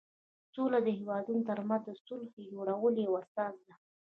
سوله د هېوادونو ترمنځ د صلحې جوړولو یوه اساس ده.